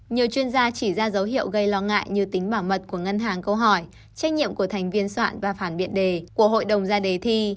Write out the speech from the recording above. nhiều chuyên gia chỉ ra dấu hiệu gây lo ngại như tính bảo mật của ngân hàng câu hỏi trách nhiệm của thành viên soạn và phản biện đề của hội đồng ra đề thi